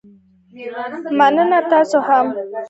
مننه، تاسو هم